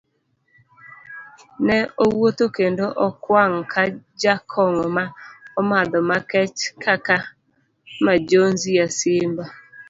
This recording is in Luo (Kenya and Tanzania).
Ne owuotho kendo okwang' ka jakong'o ma omadho makech kaka Majonzi ya simba.